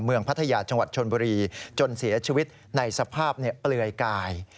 พัทยาจังหวัดชนบุรีจนเสียชีวิตในสภาพเปลือยกาย